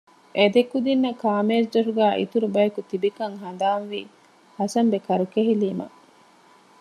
އެ ދެކުދިންނަށް ކާމޭޒުދޮށުގައި އިތުރު ބަޔަކު ތިބިކަން ހަނދާންވީ ހަސަންބެ ކަރުކެހިލީމަ